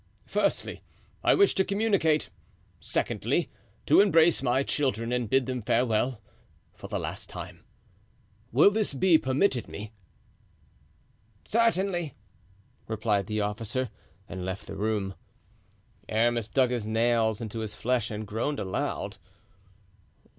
Firstly, I wish to communicate; secondly, to embrace my children and bid them farewell for the last time. Will this be permitted me?" "Certainly," replied the officer, and left the room. Aramis dug his nails into his flesh and groaned aloud.